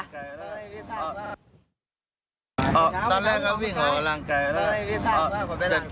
ตอนแรกก็วิ่งหรอลางกายแล้ว